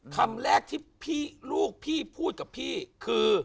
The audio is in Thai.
คำแรกที่ลูกพี่พูดกับพี่คือ